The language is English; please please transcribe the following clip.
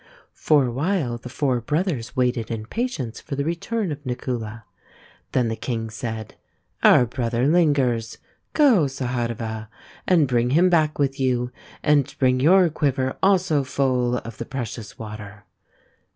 For a while the four brothers waited in patience for the return of Nakula. Then the king said, " Our brother lingers. Go, Sahadeva, and bring him back with you, and bring your quiver also full of the precious water."